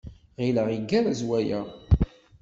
Ɣileɣ igerrez waya.